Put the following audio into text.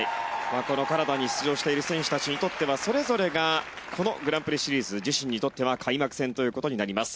このカナダに出場している選手たちにとってはそれぞれがこのグランプリシリーズ自身にとっては開幕戦ということになります。